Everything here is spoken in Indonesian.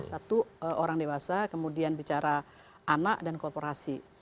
satu orang dewasa kemudian bicara anak dan korporasi